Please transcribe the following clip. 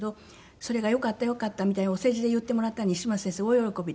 それがよかったよかったみたいにお世辞で言ってもらったら西村先生大喜びで。